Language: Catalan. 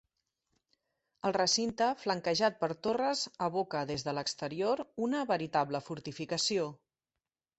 El recinte flanquejat per torres evoca, des de l'exterior, una veritable fortificació.